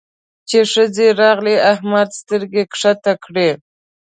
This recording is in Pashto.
چې ښځې راغلې؛ احمد سترګې کښته کړې.